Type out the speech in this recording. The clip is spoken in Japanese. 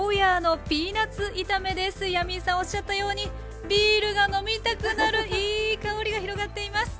ヤミーさんおっしゃったようにビールが飲みたくなるいい香りが広がっています。